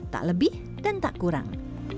tak lebih dan tak kurang